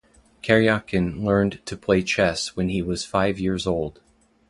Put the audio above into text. Karjakin learned to play chess when he was five years old.